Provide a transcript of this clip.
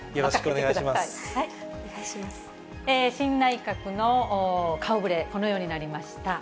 新内閣の顔ぶれ、このようになりました。